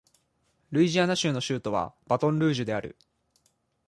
ルイジアナ州の州都はバトンルージュである